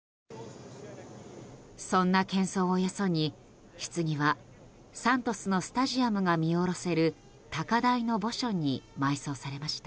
そんな喧騒をよそに、ひつぎはサントスのスタジアムが見下ろせる高台の墓所に埋葬されました。